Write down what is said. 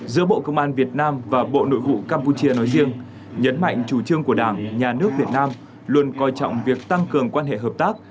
giữa bộ công an việt nam và bộ nội vụ campuchia nói riêng nhấn mạnh chủ trương của đảng nhà nước việt nam luôn coi trọng việc tăng cường quan hệ hợp tác